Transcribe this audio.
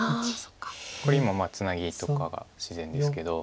これ今ツナギとかが自然ですけど。